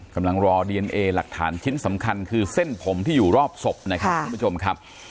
กำลังรอดีเอนเอหลักฐานชิ้นสำคัญคือเส้นผมที่อยู่รอบศพนะครับทุกผู้ชมครับ